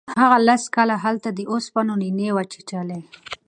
هغه لس کاله هلته د اوسپنو نینې وچیچلې.